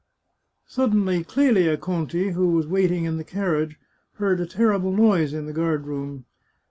Suddenly Qelia Conti, who was waiting in the carriage, heard a terrible noise in the g^ard room.